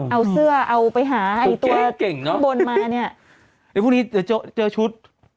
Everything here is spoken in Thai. เอาเสื้อเอาไปหาให้ตัวเก่งเนาะข้างบนมาเนี้ยในพรุ่งนี้เดี๋ยวเจอชุด